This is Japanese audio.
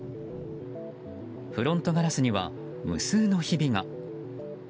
フロントガラスには無数のひびが。